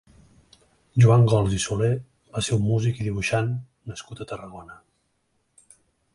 Joan Gols i Soler va ser un músic i dibuixant nascut a Tarragona.